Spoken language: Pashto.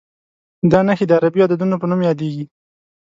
دا نښې د عربي عددونو په نوم یادېږي.